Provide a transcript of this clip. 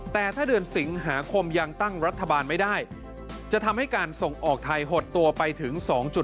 แต่ถ้าเดือนสิงหาคมยังตั้งรัฐบาลไม่ได้จะทำให้การส่งออกไทยหดตัวไปถึง๒๕